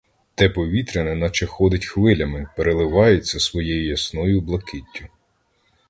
Те повітря неначе ходить хвилями, переливається своєю ясною блакиттю.